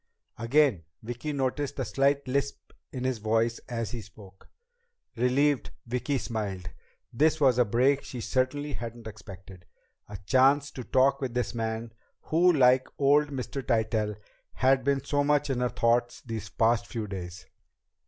Again Vicki noticed the slight lisp in his voice as he spoke. Relieved, Vicki smiled. This was a break she certainly hadn't expected a chance to talk with this man, who like old Mr. Tytell, had been so much in her thoughts these past few days.